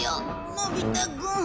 のび太くん。